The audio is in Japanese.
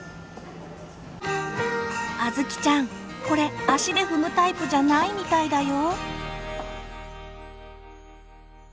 あずきちゃんこれ足で踏むタイプじゃないみたいだよ。